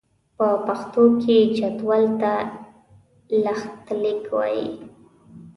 په پښتو کې جدول ته لښتليک وايي.